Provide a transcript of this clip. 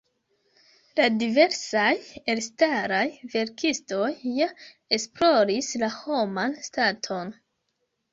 La diversaj elstaraj verkistoj ja esploris la homan staton.